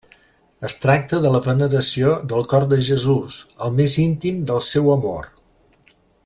Es tracta de la veneració del Cor de Jesús, el més íntim del seu amor.